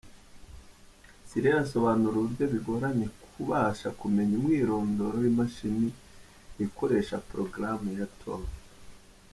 Cylir asobanura uburyo bigoranye kubasha kumenya umwirondoro w'imashini ikoresha porogaramu ya Tor.